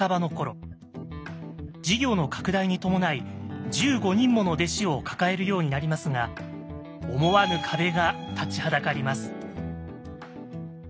事業の拡大に伴い１５人もの弟子を抱えるようになりますが思わぬ壁が立ちはだかります。